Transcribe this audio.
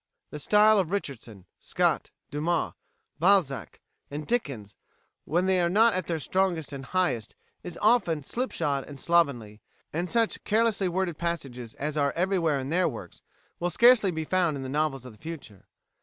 The style of Richardson, Scott, Dumas, Balzac, and Dickens, when they are not at their strongest and highest, is often slipshod and slovenly; and such carelessly worded passages as are everywhere in their works will scarcely be found in the novels of the future.